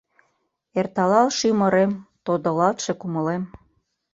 Эрталалше ӱмырем, тодылалтше кумылем